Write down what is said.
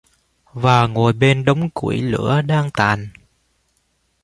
Và ngồi bên đống củi lửa đang tàn